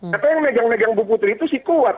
kata yang megang megang bu putri itu si kuat